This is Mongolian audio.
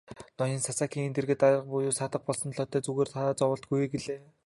Ноён Сасакийн дэргэд арга буюу саатах болсон Лодой "Зүгээр та зоволтгүй" гэлээ.